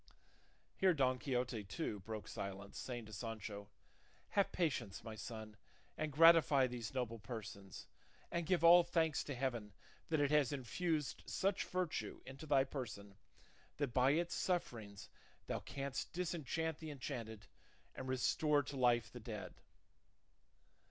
Here Don Quixote, too, broke silence, saying to Sancho, "Have patience, my son, and gratify these noble persons, and give all thanks to heaven that it has infused such virtue into thy person, that by its sufferings thou canst disenchant the enchanted and restore to life the dead."